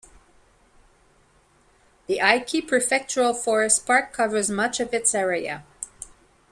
The Aichi Prefectural Forest Park covers much of its area.